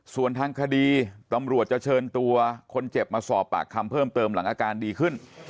ส่วนทางคดีตำรวจจะเชิญตัวคนเจ็บมาสอบปากคำเพิ่มเติมหลังอาการดีขึ้น